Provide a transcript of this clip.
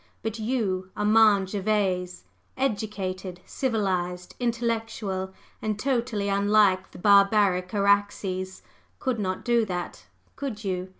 But you, Armand Gervase, educated, civilized, intellectual, and totally unlike the barbaric Araxes, could not do that, could you?